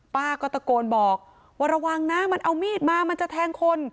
ป้าก็ตะโกนบอกว่าระวังนะมันเอามีดมามันจะแทงคน